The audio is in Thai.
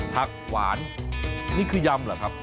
ผักหวานนี่คือยำเหรอครับ